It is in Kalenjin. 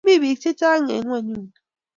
Mi bik che chang eng ngonyuni